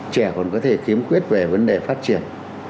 trẻ còn có thể khiếm khuyết về vấn đề phát triển